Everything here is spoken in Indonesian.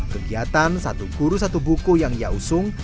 kegiatan satu guru satu buku yang iausung